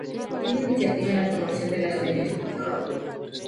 Tiene iniciativa en la formación de las leyes.